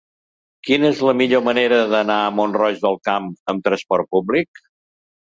Quina és la millor manera d'anar a Mont-roig del Camp amb trasport públic?